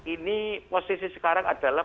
ini posisi sekarang adalah